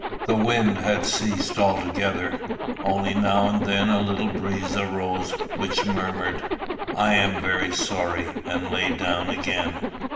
The wind had ceased altogether, only now and then a little breeze arose which murmured "I am very sorry," and lay down again.